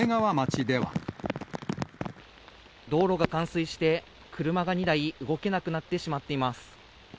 道路が冠水して、車が２台動けなくなってしまっています。